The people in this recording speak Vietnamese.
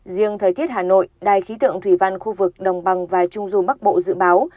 riêng thời tiết hà nội đài khí tượng thủy văn khu vực đồng bằng và trung du bắc bộ dự báo